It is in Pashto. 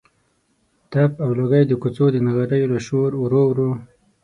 تپ او لوګی د کوڅو د نغریو له شوره ورو ورو.